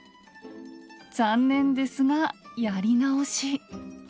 残念ですがやり直し。